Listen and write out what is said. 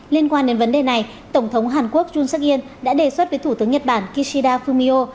liên quan đến vấn đề này tổng thống hàn quốc yun seok in đã đề xuất với thủ tướng nhật bản kishida fumio